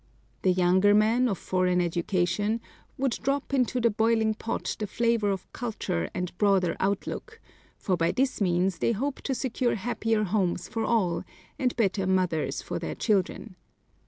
The younger men, of foreign education, would drop into the boiling pot the flavor of culture and broader outlook; for by this means they hope to secure happier homes for all, and better mothers for their children.